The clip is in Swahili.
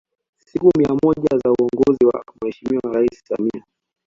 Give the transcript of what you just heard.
Siku mia moja za uongozi wa Mheshimiwa Rais Samia